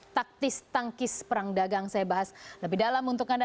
taktis tangkis perang dagang saya bahas lebih dalam untuk anda